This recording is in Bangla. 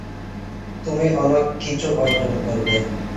তুমি অনেককিছু অর্জন করবে।